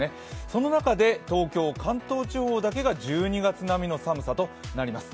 その中で東京、関東地方だけが１２月並みの寒さとなります。